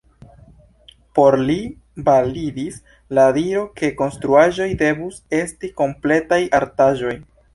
Por li validis la diro ke konstruaĵoj devus esti kompletaj artaĵoj.